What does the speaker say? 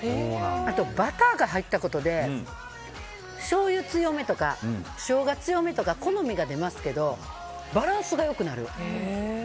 あと、バターが入ったことでしょうゆ強めとかショウガ強めとか好みが出ますけどバランスがよくなる。